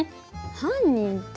犯人って。